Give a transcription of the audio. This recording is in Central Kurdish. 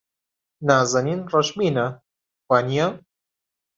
نازەنین ڕەشبینە، وانییە؟